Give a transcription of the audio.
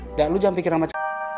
enggak lu jangan pikir sama c